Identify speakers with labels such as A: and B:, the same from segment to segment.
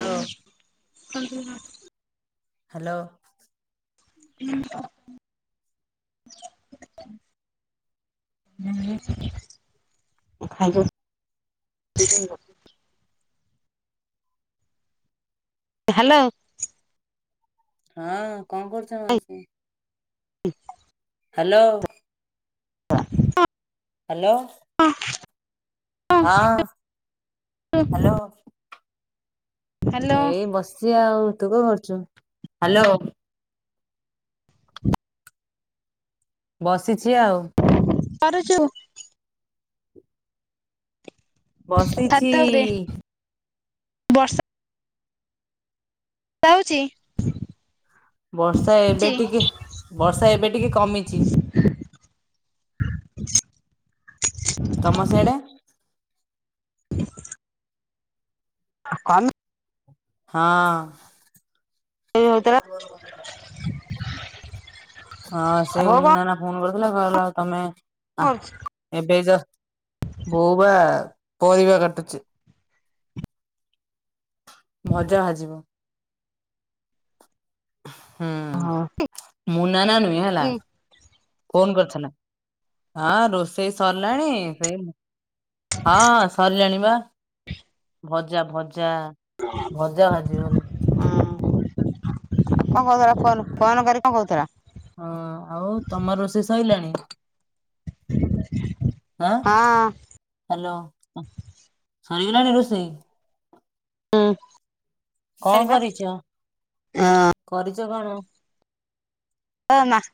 A: Hello hello.
B: ହୁଁ। [unintelligible] [inaudible] Hello.
A: ହଁ କଣ କରୁଚ?
B: [inaudible]
A: ହ୍ୟାଲୋ।
B: [unintelligible]
A: ହ୍ୟାଲୋ।
B: ହଁ।
A: ହଁ ହ୍ୟାଲୋ।
B: ହ୍ୟାଲୋ
A: ଏଇ ବସି ଆଉ ତୁ କଣ କରୁଛୁ ହ୍ୟାଲୋ? ବସିଛି ଆଉ।
B: [unintelligible]
A: ବସିଛି
B: [unintelligible] ବର୍ଷା ହଉଛି।
A: ବର୍ଷା ଏବେ ଟିକେ ବର୍ଷା ଏବେ ଟିକେ କମିଛି।
B: ହଁ।
A: ନମସ୍କାର।
B: [inaudible] କଣ?
A: ହଁ।
B: ସେ ହଉଥିଲା
A: ହଁ ସେ
B: ବୋଉ
A: ଉମୁ
B: କଣ
A: ନନା ଫୋନ କରୁଥିଲେ କହିଲା ତମେ ଆ
B: କରୁଛି?
A: ଏବେ ବୋଉ ବା ପରିବା କାଟୁଛି। ମଜା ହଯିବ ହୁଁ ମୁନା ନା ନୁହେଁ ହେଲା। ଫୋନ କରିଥିଲା ହଁ ରୋଷେଇ ସରିଲାଣି ସେଇ ହଁ ସରିଲାଣିିବା ଭଜା ଭଜା। ଭଜା ଭାଜିବ।
B: ହୁଁ କଣ କହୁଥିଲା ଫୋନ ଫୋନ କରି କଣ କହୁଥିଲ?
A: ହଁ ଆଉ ତମ ରୋଷେଇ ସଇଲାଣି? ଆଁ।
B: ହଁ
A: ହାଲୋ ଶରିଗଲାଣି ରୋଷେଇ? କଣ
B: ଆଣିବା
A: କରିଛ କରିଛ କଣ?
B: ହ ମାଛ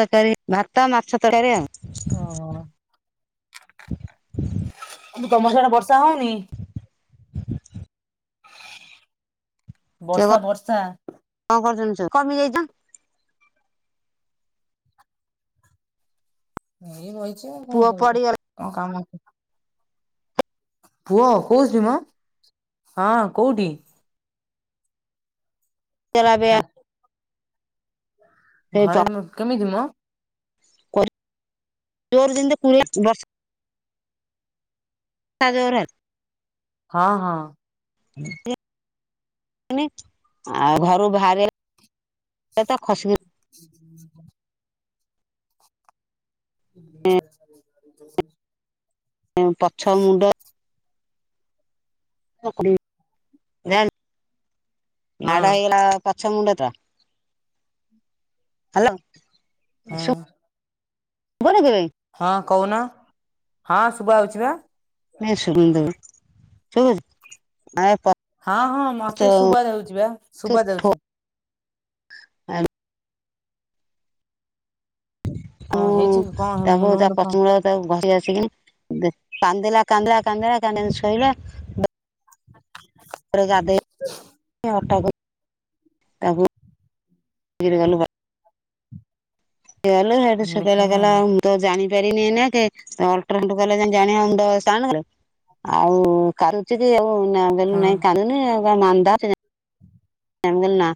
B: ତରକାରୀ ଭାତ ମାଛ ତରକାରୀ ଆଉ।
A: ଓ ହଁ ତମର ସଡେ ବର୍ଷା ହଉନି?
B: ସେ
A: ବର୍ଷା ବର୍ଷା।
B: କଣ କଣ ଜାଣିଛ କମି ଯାଇଛ।
A: ଏଇ ବଇଚି ଆଉ କଣ
B: ପୁଅ
A: କରିବି
B: ପଡିଗଲା
A: କଣ କାମ ଅଛି। ପୁଅ କୋଉଠି ମ ହଁ କୋଉଠି?
B: ତେରା ବେ
A: ଘରେ ମ କେମିତି ମ?
B: କରି ଜୋର ଯେମିତି କୋଡିଏ ବର୍ଷ ଆ ଜୋର
A: ହଁ ହଁ।
B: ଆଉ ଘରୁ ବାହାର ସେ ତ ଖସଯି
A: [unintelligible] [unintelligible]
B: ପଛ ମୁଣ୍ଡ
A: ହଁ
B: ମାଡ ହେଇଗଲା ପଛ ମୁଣ୍ଡ ଟା ହାଲୋ।
A: ହୁଁ।
B: କୋଣଖିବ ପାଇଁ।
A: ହଁ କହୁନ ହଁ ଶୁଭା ଯାଉଛି ବା।
B: ନାଇ ଶୁଭୁନି ଟା କାଇଁ ଶୁଭୁଚି [unintelligible]
A: ହଁ ହଁ ମତେ ଶୁଭା ଯାଉଛି ବା ଶୁଭା ଯାଉଛି।
B: ଆ। ହୁଁ
A: କଣ ହେଇଛି କି କଣ ହେ-
B: ତାକୁ
A: ମୁଣ୍ଡ
B: ତା
A: ମୁଣ୍ଡ କଣ
B: ପଥମୂଳ ସବୁ ଘଷି ଘାଷି କିନି କାନ୍ଦିଲା କାନ୍ଦିଲା କାନ୍ଦିଲା କାନ୍ଦି କାନ୍ଦି ଶୋଇବା
A: [unintelligible]
B: ଗାଧୋଇ ହଟା ତାକୁ [unintelligible] ସେଇଠୁ ସେ
A: ଦେଖିକି
B: କହିଲା କଲା
A: ଆଇଲ
B: ତ ଜାଣିପାରିନି ନା କି ଅଲଟ୍ରାସାଉଣ୍ଡ କଲେ ଜାଣିବା ଙ୍କର ଆଉ କାନ୍ଦୁଛି କି ଆଉ
A: ହଁ
B: ବୁ ନାଇଁ କାନ୍ଦୁନି ଆଉ କଣ ମାନ୍ଦା ମୁଁ କହିଲି ନା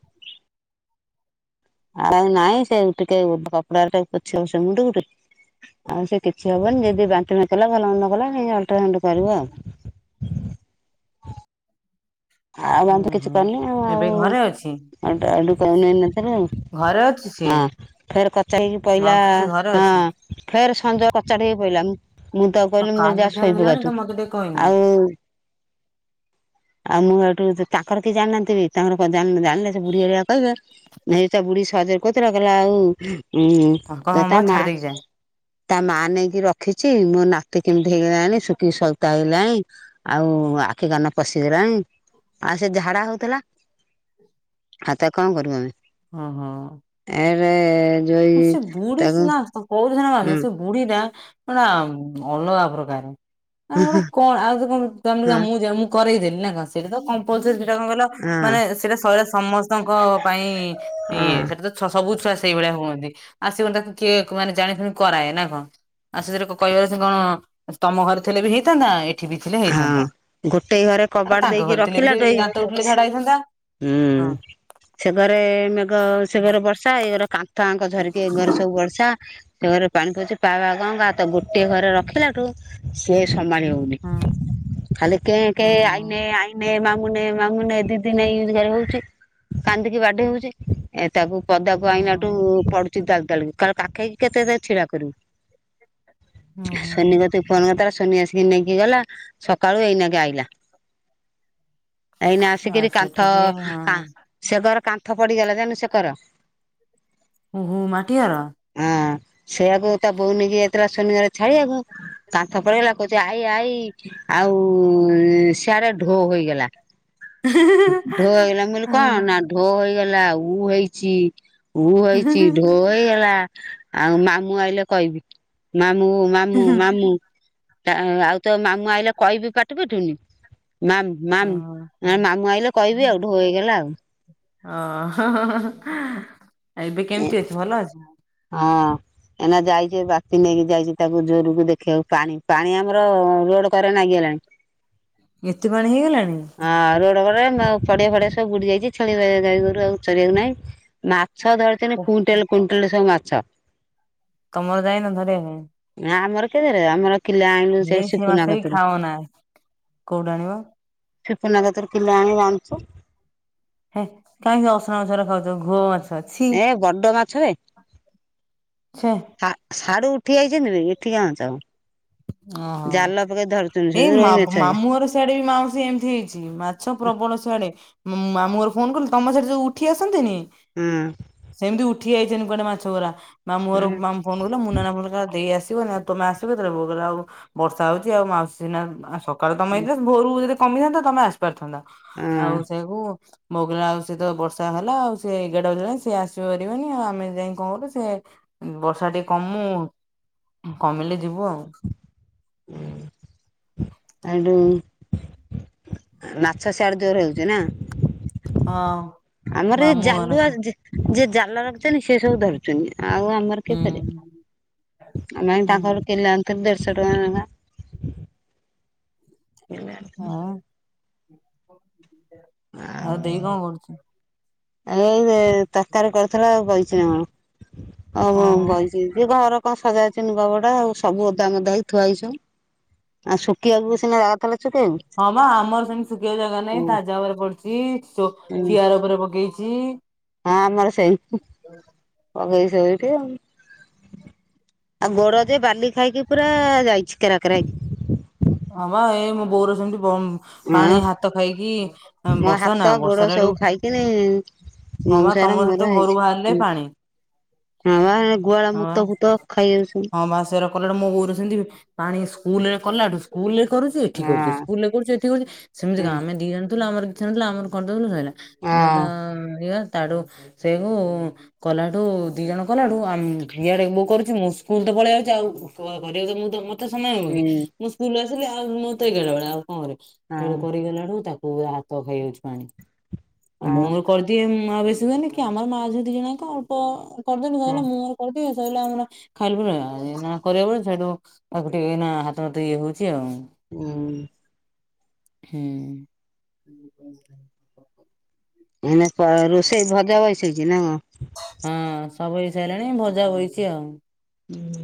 B: ଆଉ ନାଇଁ ସେ ଟିକେ କପଡା ଟେ ପୋଛି ଦଉଛି ମୁଣ୍ଡ ଟିକେ ଆଉ ସେ କିଛି ହବନି ଯଦି ବାନ୍ତି ଫଣ୍ଟି ଭଲ ନ କଲା ଅଲଟ୍ରାସାଉଣ୍ଡ କରିବୁ ଆଉ। ଆଉ
A: ହୁଁ
B: ବାନ୍ତି କିଛି
A: ହୁଁ
B: କରିନି ଆଉ ଆଉ
A: ଏବେ ଘରେ ଅଛି
B: [unintelligible]
A: ଘରେ ଅଛି ସିଏ
B: ହଁ ଫେରେ ପଚାରଲି କହିଲା
A: ମାଉସୀ ସେ ଘରେ ଅଛି
B: ହଁ ଫେର ସଞ୍ଜ କଚାଡି ହେଇ ପଡିଲା ମୁଁ ତାକୁ
A: ଆଉ
B: କହିଲି ମୁ କହିଲି ଯା
A: କାଲି ଠାରୁ
B: ଶୋଇ
A: ହେଲାଣି ତ
B: ପକାଉଛୁ
A: ମତେ ଟିକେ କହିନ
B: ଆଉ ଆଉ ମୁଁ ହେଟୁ ତାଙ୍କର କିଏ ଜାଉନାହଁନ୍ତିକି। ତାଙ୍କର କୁଆଡେ ଜାଣିଲେ ଜାଣିଲେ ସେ ବୁଢୀ ହେରିକା କହିବେ ନାଇଁ ତା ବୁଢୀ ସହଜରେ କହୁଥିଲା କଲା ଆଉ ଉ
A: କଣ ହଁ
B: ତା
A: ବା
B: ମା
A: ଛାଡି ଦେଇକି ଯାଏ
B: ତା ମା ନେଇକି ରଖିଛି ମୋ ନାତି କେମିତି ହେଇଗଲାଣି ଶୁଖିକି ସଇତା ହେଇଲାଣି। ଆଉ ଆଖି କାନ ପଶିଗଲାଣି। ଆଉ ସେ ଝାଡା ହଉଥିଲା ଆଉ ତ କଣ କରିବୁ ଆମେ?
A: ଓହୋ।
B: ଏନ୍ ଏରେ ଯୋଇ ତାକୁ
A: କରୁଥିଲେ ନା
B: ହୁଁ
A: ହେଲେ ସେ ବୁଢୀଟା ପୁରା ଅଲଗା ପ୍ରକାର। ଆଟ କଣ ଆଉ କଣ
B: ହଁ
A: ମୁଁ ମୁଁ କରେଇଦେଲି ନା କଣ? ସେଇଟା ତ କମ୍ପଲସରି ସେଟା କଣ କହିଲ ମାନେ
B: ହଁ
A: ସେଇଟା ଶରୀର ସମସ୍ତଙ୍କ ପାଇଁ ଇଏ ସବୁ ଛୁଆ ସେଇ ଭଳିଆ ହୁଅନ୍ତି ଆସିବ ତାକୁ କିଏ ମାନେ ଜାଣିଶୁଣି କରାଏ ନା କଣ? ଆ ସେଥିରେ କହିବାର ସେ କଣ ତମ ଘରେ ଥିଲେ ବି ହେଇଥାନ୍ତା ଏ ଏଠିବି ଥିଲେ
B: ହଁ
A: ହେଇଥାନ୍ତା
B: ଗୋଟେ ଘରେ
A: ଆଉ
B: କବାଟ
A: ତାଙ୍କ
B: ଦେଇକି
A: ଘରେ ଥିଲେ ବି ସେ
B: ରଖିଲାଠୁ ଏଇ
A: ଦାନ୍ତ ଉଠିଲେ ଝାଡା ହେଇଥାନ୍ତା।
B: ହୁଁ
A: ହଁ
B: ସେ ଘରେ ମେଘ ସେ ଘରେ ବର୍ଷା ଏ ଘର ଛୁଆଙ୍କୁ ଧରିକି ଘରେ ସବୁ ବର୍ଷା ସେ ଘରେ ପାଣି ପଶି ପା ବା ଗଙ୍ଗାତ ଗୋଟେ ଘରେ ରଖିଲାଠୁ ସିଏ ସମ୍ଭାଳି ହଉନି
A: ହଁ
B: ଖାଲି କେ କେ
A: ଓହୋ।
B: ଆଇନେ ଆଇନେ ମା ମୁଁ ନେ ମାମୁ ନେ ଦିଦି ନାଇଁ ଏମିତି ଖାଲୀ ହଉଛି କାନ୍ଦିକି ବାଡେଇ ହଉଛି ଏ ତାକୁ ପଦାକୁ ଆଇନାଠୁ
A: ହଁ।
B: ପଡୁଛି ଦାଲ ଦାଲ କା କାଖେଇକି କେତେ ତାକୁ ଛିଡା କରିବୁ?
A: ହୁଁ ହୁଁ
B: ସୋନି କତିକୁ ଫୋନ କରିଥିଲା ସୋନି ଆସିକି ନେଇକି ଗଲା ସକାଳୁ ଏଇନାକି ଆଇଲା। ଏଇନା
A: ଆଉ
B: ଆସିକିରି
A: ସେଠି
B: କାନ୍ଥ
A: ଟିକେ ହଁ
B: ସେଗର କାନ୍ଥ ପଡିଗଲା ଜାଣୁ ସେକର
A: ହୁ ହୁ ମାଟିଘର।
B: ହଁ ସେଆକୁ ତା ବୋଉ ନେଇକି ଯାଇଥିଲା ସୋନିଘରେ ଛାଡିଆକୁ କାନ୍ଥ ପଡିଗଲା କହୁଛି ଆଇ ଆଇ ଆଉ ସିଆଡେ ଢୋ ହୋଇଗଲା।
A: ହୁଁ
B: ଢୋ ହେଇଗଲା ମୁଁ କହିଲି କଣ ନା ଢୋ ହେଇଗଲା ଉ ହେଇଛି। ଉ ହେଇଛି ଢୋ ହେଇଗଲା ଆଉ ମାମୁଁ ଆଇଲେ କହିବି ମାମୁଁ ମା ମାମୁଁ ମାମୁଁ ଆଉ ତ ମାମୁଁ ଆଇଲା କହିବି ପାଟି ଫିଠୁନି ମାମୁ
A: ହଁ।
B: ମାମୁ ମାମୁଁ ଆଇଲେ କହିବି ଆଉ ଢୋ ହେଇଗଲା ଆଉ
A: ଓ ହୋ ଏବେ କେମିତି ଅଛି ଭଲ ଅଛି।
B: ହଁ। ଏନା ଯାଇଛି ବାପି ନେଇକି ଯାଇଛି ତାକୁ ଜୋରକୁ ଦେଖିବାକୁ ପାଣି ପାଣି ଆମର ରୋଡ କରେ ନାଗିଗଲାଣି।
A: ଏତେ ପାଣି ହେଇଗଲାଣି?
B: ହଁ ରୋଡ କଡରେ ଫଡିଆ ଫଡିଆ ସବୁ ବୁଡି ଯାଇଛି ଛେଳି ଗାଈ ଗୋରୁ ଆଉ ଚଳିବାକୁ ନାହିଁ ମା ମାଛ ଧରିଛନ୍ତି
A: ଓଃ,
B: କୁଇଣ୍ଟାଲ କୁଇଣ୍ଟାଲ ସବୁ ମାଛ।
A: ତମର ଯାଇନ ଧରିବା ପାଇଁ?
B: ନା ଆମର କିଏ ଧରିବ ଆମର କିିଲେ ଆଣିଲୁ ସେ
A: ଏ ମାଛ
B: ସିପୁନା
A: ବି
B: କତିରୁ।
A: ଖାଅନା। କୋଉଠୁ ଆଣିବ
B: ସିପୁନା କତିରୁ କିିଲେ ଆଣି ରା଼ନ୍ଧିଛୁ।
A: ହେଁ କାହିଁକି ଅସନା ମାଛ ଖାଉଛ ଘୋଅ ମାଛ। ଛି
B: ଏ ବଡ ମାଛବେ।
A: ଛେ
B: ଶାଢୁ ଉଠି ଆଇଛନ୍ତିବେ ଏଠିକାମାଛ।
A: ଓହୋ
B: ଜାଲ ପକେଇ ଧରିଛନ୍ତି ସେ
A: ଏଇ ମା
B: ରୋହିମାଛ
A: ମାମୁଁ ଘର ସିଆଡେ ବି ମାଉସୀ ଏମିତି ହେଇଛି ମାଛ ପ୍ରବଳ ସିଆଡେ। ମୁଁ ମାମୁଁ ଘରୁ ଫୋନ କଲି ତମ ସେଠି ଯୋଉ ଉଠି ଆସନ୍ତିନି।
B: ହୁଁ।
A: ସେମିତି ଉଠି ଯାଇଛନ୍ତି କୁଆଡେ ମାଛଗୁରା ମାମୁଁ
B: ହଁ
A: ମୁହର ଫୋନ କରିଥିଲେ ମୁନାନା ମତେ କହିଲା ଦେଇ ଆସିବ ନା ତମେ ଆସିବ ବୋଉ କହିଲା ଆଉ ବର୍ଷା ହଉଛି ଆଉ ମାଉସୀନା ସକାଳେ ତମେ ହେଇଥିଲେ ଭୋରୁ ଯଦି କମିଯାନ୍ତା ତମେ ଆସ ପାରଥାନ୍ତା
B: ହଁ
A: ଆଉ ସେକୁ ବଗିଲା ଆଉ ସହିତ ବର୍ଷା ହେଲା ଆଉ ସେ ଏଗାରଟା ବାଜିଲାଣି ସିଏ ଆସି ପାରିବନି ଆଉ ଆମେ ଯାଇ କଣ କଲୁ ସେ ବର୍ଷା ଟିକେ କମୁ କମିଲେ ଯିବୁ ଆଉ।
B: ସେଠୁ [unintelligible] ସିଆଡେ ଜୋର ହେଉଛି ନା?
A: ହଁ।
B: ଆମର ଏ
A: ମାମୁଁ ଘର
B: ଜାଲୁଆ
A: ସେ
B: ଯିଏ ଜାଲ ରଖୁଛନ୍ତି ସେ ସବୁ ଧରୁଛନ୍ତି ଆଉ ଆମର
A: ହୁଁ
B: [unintelligible] ଆମେ
A: ହୁଁ
B: ତାଙ୍କଘରୁ କିଲେ ଅଣିଥିଲୁ ଦେଢଶହ ଟଙ୍କା ଜମା। [unintelligible]
A: ହଁ। ଆଉ ଦେଇ କଣ କରୁଛି?
B: ଏଇ ତରକାରୀ କରିୁଥିଲା ବସିଛି ନା। ହଉ
A: ଓହୋ।
B: ବଇଛି କି ଘର କଣ ସଜାଡୁ ଛି ଲୁଗା ପଟା ଆଉ ସବୁ ଓଦା ମୋଧା ହେଇ ଥୁଆହେଇଛି। ଆ ଶୁଖିବାକୁ। ବୁସିନା ଯା ଆଉ ତାହେଲେ ଚୁପ।
A: ହଁ ବା ଆମର ସେମତି ଶୁଖିବାକୁ ଜାଗା ନାହିଁ
B: ହୁଁ
A: ତାଜା ଉପରେ ପଡିଛି।
B: ହୁଁ
A: [unintelligible] ଚିଆର ଉପରେ ପକେଇଛି [unintelligible]
B: ହଁ ଆମର ସେଇ ପଗେଇ ସେଇଠି ଆଉ। ଆଉ ଗୋଡ ଯେ ବାଲି ଖାଇକି ପୁରା ଯାଇଛି କେରା କେରା ହେଇକି।
A: ହଁ ବା ଏ ମୋ ବୋଉର [unintelligible] ପାଣି
B: ହଁ
A: ହାତ ଖାଇକି
B: ମୋ
A: ବର୍ଷା
B: ହାତ
A: ନା
B: ଗୋଡ
A: ବର୍ଷା
B: ସବୁ
A: ଆଡୁ
B: ଖାଇକିନି
A: ହଁ ବା
B: ମଉସାର
A: ତମ
B: ମୋର
A: ସେଠୁ
B: ହେଇଛି।
A: ଘରୁ ବାହାରିଲେ
B: ହୁଁ
A: ପାଣି।
B: ହଁ ଗୁହାଳ
A: ହଁ ବା।
B: ମୁତ ଫୁତ ଖାଇ ଯାଉଛି ସବୁ।
A: ହଁ ବା ସେରା କଲାଠୁ ମୋ ବୋଉର ସେମତି ପାଣି ସ୍କୁଲରେ କଲାଠୁ। ସ୍କୁଲ ରେ କରୁଛି ଏଠି କରୁଛି
B: ହଁ
A: ସ୍କୁଲ ରେ କରୁଛି ଏଠି କରୁଛି ସେମତି
B: ହୁଁ
A: କଣ ଆମେ ଦି ଜଣ ଥିଲୁ ଆମର ଛି ନଥିଲା ଆମର କରିଦେଇଥିଲୁ ସଇଲା କିନା ତା
B: ହଁ
A: ଇଏ ତାଠୁ ସେଉ। କଲାଠୁ ଦି ଜଣ କଲାଠୁ ଇଆଡେ ମୁ ତ କରୁଛି ମୁଁ ସ୍କୁଲ ତ ପଳେଇ ଯାଉଛି ଆଉ। କଣ କରିବା ଯେ ମୁଁ ତମ ତା ସମୟ ହବ କି
B: ହୁଁ
A: ମୁଁ ସ୍କୁଲରୁ ଆସିଲି ଆଉ ମତେ [unintelligible] ଆଉ କଣ କରିବି
B: ହଁ
A: ସେଇଡା କରିଗଲାଠୁ ତା ପୁରା ପହେଇ ଆଇଚି ପାଣି ଆ ମୁଁ ମୋର
B: ହଁ।
A: କରଦିଏ ଆଉ ବେସି ହୁଏନି। କି ଆମର ମା ଝିଅ ଦିଜଣଜାଙ୍କ ଅଳ୍ପ କରଦେନୁ ଥୁଆହେଲା [unintelligible] ମୁଁ ମୋର। କଣକି ସେଇଲା ଆମରା ଖାଇଲୁରେ ଅଁ ଏଇନା କରିବାକୁ ପଡିବ ସେଇଠୁ ତାକୁ ଟିକେ ଏଇନା ହାତଧୁଇ [unintelligible] ଝିଅ ଆଉ
B: ହୁଁ
A: ହୁଁ।
B: ଏ ରୋଷେଇ ଭଜା [unintelligible] ବଇସେଇଛି ନା କଣ?
A: ହଁ ସବୁ ହେଇ ସାରିଲାଣି ଭଜା ବଇଛି ଆଉ।
B: [inaudible]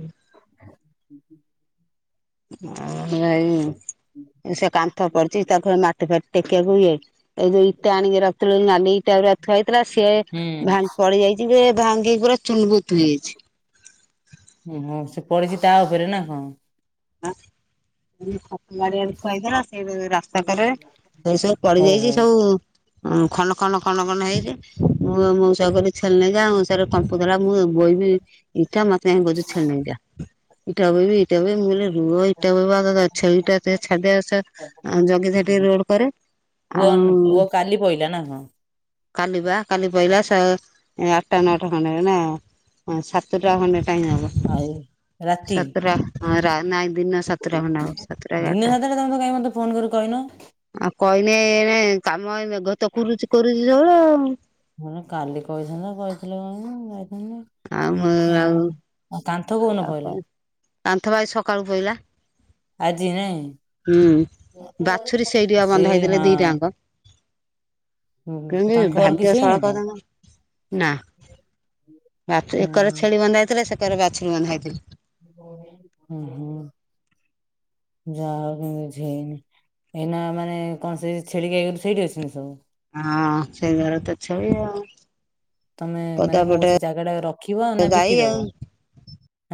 B: ଆଉ ଏଇ ସେ କାନ୍ଥ କରିଛି ତାକୁ ମା। ଏ ପ୍ରତେକାକୁ ଇଏ ଏଇ ଯୋଉ ଇଟା ଆଣିକି ରଖଥିଲି ନାଲି। ଟାଗୁରା ଥୁଆ ହେଇଥିଲା ସିଏ
A: ହୁଁ
B: ଭାଙ୍ଗ ପଲେଇଆଇଚି ଯେ ଭାଙ୍ଗିକି ପୁରା ଚୁନବୁତ ହେଇଯାଇଛି।
A: ଓହୋ ସେ ପଡିଛି ତା ଉପରେ ନା କଣ?
B: [inaudible] ବାରିଆଡେ ଥୁଆ ହେଇଥିଲା ସେଇ ଯୋଉ ରାସ୍ତା କରରେ ସେ ସବୁ ପଡିଯାଇଚି
A: ଓହୋ।
B: ସବୁ। ହଁ ଖନ ଖନ ଖନ ମନ ହେଇଚି ମୁଁ ମୁଁ ସେଇଆ କଲି ଛେଲିଯାଉଁ ସେରା କମ୍ପ ଦ୍ୱାରା ମୁଁ ବଇବି ଇଟା ମ ତେ କହୁଚି ଛେଳିନେଇକି ଯା ଇଟା ବୋହିବି ଇଟା ବୋହିବି ମୁଁ କହିଲି ରୁହ ଇଟା ବୋହିବ [unintelligible] ଛେଲିଟା ଟେ ଛାଡିଦେଇକି ଆସ ଆ ଜଗିଥାଏ ଟିକେ
A: ଓହୋ
B: ରୋଡ କରେ।
A: ପୁଅ
B: ଆଉ
A: ପୁଅ କାଲି ପହିଲା ନା କଣ
B: କାଲି ପା କାଲି ପଇଲା ସ ଆଠଟା ନଅଟା ଖଣ୍ଡେ ହବ ନା ହଁ ସାତଟା ଖଣ୍ଡେ ଟାଇମ୍ ହବ
A: ଆଉ ରାତି
B: ସାତଟାଁ ରା ନାଇଁ ଦିନ ସାତଟା ଖଣ୍ଡେ ଟାଇମ୍ ହବ ସାତଟା କି
A: ଦିନ
B: ଆଠଟା
A: ସାତଟା ତମେ ତ କାଇଁ ମତେ ଫୋନ କରି କହିନ।
B: ଆଉ କହିନେ ଏଣେ କାମ ଏ ମେଘ ତ କୁରୁଚି କୋରୁଚି ସବୁବେଳେ ଆଉ।
A: ହ କାଲି କହିନ୍ କହିଥିଲେ କଣ ଯାଇ ନା [unintelligible]
B: ଆମ ଆଉ
A: କୋଉନ
B: ଆଉ
A: ପଇଲା
B: କଣ କାନ୍ଥ ବା ଏଇ ସକାଳୁ ପଇଲା
A: ଆଜି ନାଇଁ?
B: ହୁଁ ବାଛୁରୀ ସେଇଠିଆ
A: ସିଏ
B: ବନ୍ଧା ହେଇଥିଲେ ଦିଟାଙ୍କ
A: ହଁ
B: କେମତି
A: ତାଙ୍କ ଘର
B: ଭାଗ୍ୟ
A: କିଛି ହେଇନି ତ?
B: ସଳକ ତଙ୍କ ନା ବାଥ
A: ହୁଁ
B: ଏକର ଛେଳି ବନ୍ଧା ହେଇଥିଲା ସେକରେ ବାଛୁରୀ ବନ୍ଧା ହେଇଥିଲେ
A: ହୁଁ ହୁଁ ଯା ହେଉ କେମିତି କିଛି ହେଇନି ଏଇନା ମାନେ କଣସି ଛେଳିିକୁ ସେଇଠି ଅଛନ୍ତି ସବୁ
B: ହଁ ସେଇ ଘର ତ ଛେଳି ଆଉ
A: ତମେ ମାନେ କଣ କହୁଛ
B: ପଦାପଟେ
A: ସେ ଜାଗା ଟା ରଖିବ ନା
B: ଗାଈ ଆଉ
A: ବିକିଦବ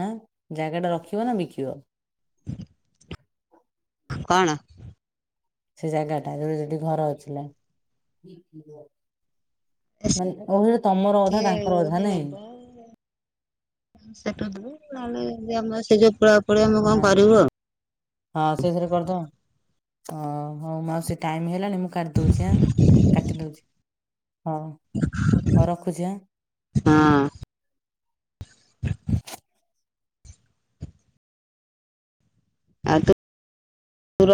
A: ଆ ଜାଗା ଟା ରଖିବ ନା ବିକିବ
B: ହ କଣ?
A: ସେ ଜାଗା ଟା ଯ ଯଠି ଘର ଅଛିଲା ମାନେ ଓ ସେଟା ତମର ଅଧା ତାଙ୍କର ଅଧା ନାଇଁ
B: ସେଠେଲେ ଆମର ସେ ଯୋଉ ପ ପ [unintelligible] ଆମେ
A: ହଁ
B: କଣ କରିବୁ ଆଉ
A: ହଁ ସେଇଥିରେ କରିଦଅ ଓ ହଉ ମାଉସି ଟାଇମ ହେଲାଣି ମୁଁ କାଟି ଦଉଛି ଆ କାଟି ଦଉଛି ହଁ ହଁ ରଖୁଛି ଆଁ
B: ହଁ ଆ ତୁ ର